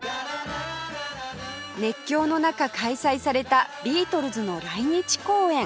熱狂の中開催されたビートルズの来日公演